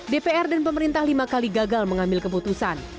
dpr dan pemerintah lima kali gagal mengambil keputusan